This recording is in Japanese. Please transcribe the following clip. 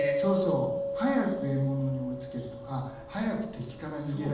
早く獲物に追いつけるとか早く敵から逃げられる。